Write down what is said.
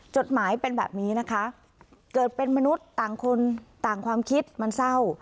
จดหมายเป็นแบบนี้นะคะเกิดเป็นมนุษย์ต่างคนต่างความคิดมันเศร้า